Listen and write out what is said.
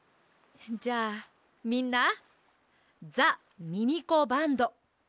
じゃあみんなザ・ミミコバンドやるよ！